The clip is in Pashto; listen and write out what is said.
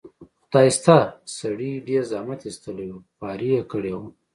خدای شته، سړي ډېر زحمت ایستلی و، خواري یې کړې وه.